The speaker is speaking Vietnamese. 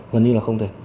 gần như là không thể